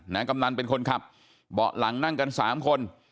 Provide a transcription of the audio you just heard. กำนันเป็นคนขับเบาะหลังนั่งกันสามคน